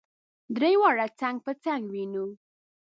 درې واړه څنګ په څنګ وینو.